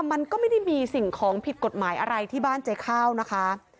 มันก็ไม่ได้มีสิ่งของผิดกฎหมายอะไรที่บ้านเจ๊ข้าวนะคะ